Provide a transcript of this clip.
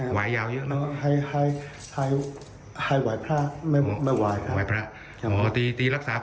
หายบ้างครับ